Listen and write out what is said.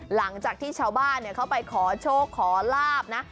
หลังจากที่ชาวบ้านเขาไปขอโชคขอลาบนะ